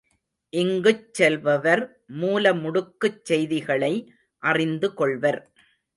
இங்குச் செல்பவர் மூலமுடுக்குச் செய்திகளை அறிந்துகொள்வர்.